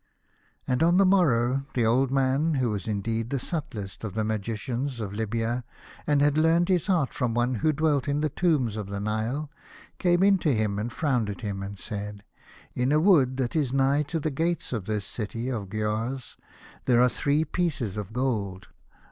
And on the morrow the old man, who was indeed the subtlest of the magicians of Libya and had learned his art from one who dwelt in the tombs of the Nile, came into him and frowned at him, and said, "In a wood that is nigh to the gate of this city of Giaours there are three pieces of gold.